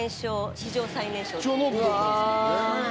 史上最年少です。